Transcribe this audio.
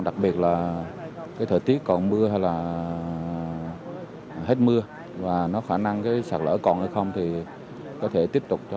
đặc biệt là cái thời tiết còn mưa hay là hết mưa và nó khả năng cái sạt lở còn hay không thì có thể tiếp tục cho